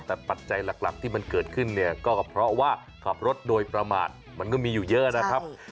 แต่ปัจจัยหลักที่มันเกิดขึ้นเนี่ยก็เพราะว่าขับรถโดยประมาทมันก็มีอยู่เยอะนะครับ